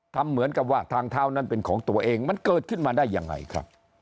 ทำเหมือนกับว่าทางเท้านั้นเป็นของตัวเองมันเกิดขึ้นมาได้ยังไงครับ